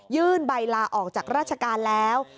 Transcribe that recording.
ใบลาออกจากราชการแล้ว